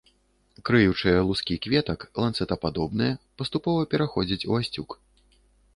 Крыючыя лускі кветак ланцэтападобныя, паступова пераходзяць у асцюк.